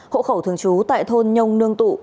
hộ khẩu thường trú tại thôn nhông nương tụ